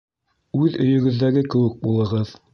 Үҙ өйөгөҙҙәге кеүек булығыҙ